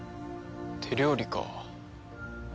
手料理か。